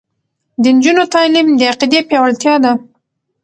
د نجونو تعلیم د عقیدې پیاوړتیا ده.